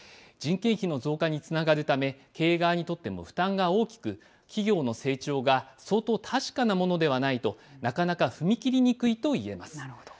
人件費の増加につながるため、経営側にとっても負担が大きく、企業の成長が相当確かなものではないとなかなか踏み切りにくいといえます。